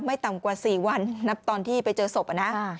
ต่ำกว่า๔วันนับตอนที่ไปเจอศพนะ